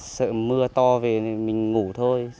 sợ mưa to về mình ngủ thôi